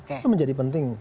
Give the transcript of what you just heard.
itu menjadi penting